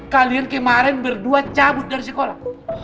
kalian kemarin berdua cabut dari sekolah